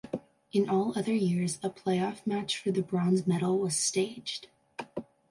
In all other years, a playoff match for the bronze medal was staged.